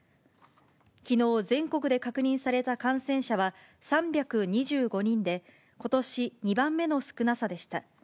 きのう、全国で確認された感染者は３２５人で、ことし２番目の少なさでした。